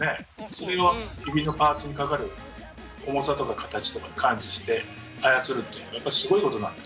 それを指のパーツにかかる重さとか形とか感知して操るっていうのでやっぱすごいことなんですね。